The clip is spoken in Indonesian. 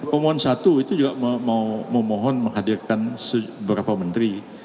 pak mohon satu itu juga mau mohon menghadirkan beberapa menteri